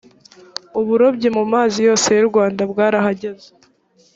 uburobyi mu mazi yose y u rwanda bwarahagaze